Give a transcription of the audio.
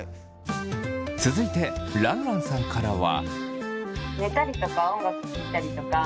続いてらんらんさんからは。